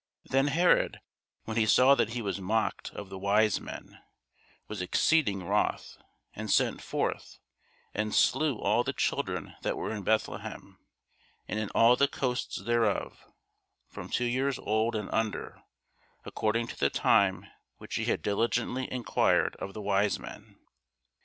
Then Herod, when he saw that he was mocked of the wise men, was exceeding wroth, and sent forth, and slew all the children that were in Bethlehem, and in all the coasts thereof, from two years old and under, according to the time which he had diligently enquired of the wise men.